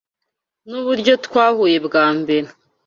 Nuburyo twahuye bwa mbere.